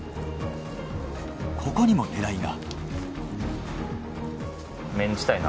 ここにも狙いが。